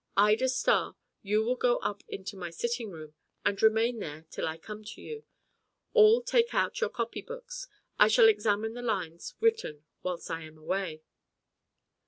Ida Starr, you will go up into my sitting room, and remain there till I come to you. All take out your copy books; I shall examine the lines written whilst I am away."